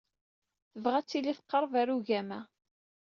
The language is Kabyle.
Tebɣa ad tili teqreb ɣer ugama.